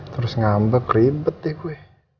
terus ngambek ribet deh gue